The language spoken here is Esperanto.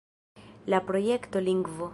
La projekto lingvo.